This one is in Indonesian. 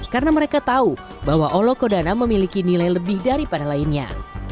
karena mereka tahu bahwa olokodana memiliki nilai lebih daripada lainnya